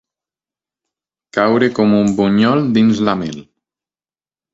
Caure com un bunyol dins la mel.